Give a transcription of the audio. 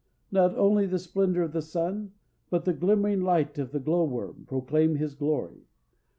Not only the splendor of the sun, but the glimmering light of the glow worm, proclaim his glory.